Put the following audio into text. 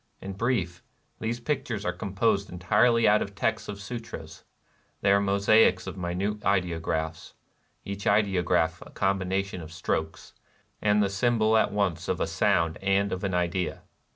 In brief, these pictures are composed entirely out of texts of Sutras : they are mosaics of minute ideographs, — each ideograph a combination of strokes, and the symbol at once of a sound and of an idea.